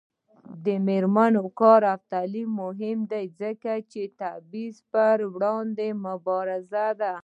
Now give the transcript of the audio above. د میرمنو کار او تعلیم مهم دی ځکه چې تبعیض پر وړاندې مبارزه ده.